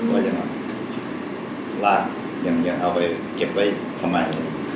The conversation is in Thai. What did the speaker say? ว่ายังลากยังเอาไปเก็บไว้ทำไม